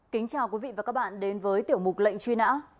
kính chào quý vị và các bạn đến với tiểu mục lệnh truy nã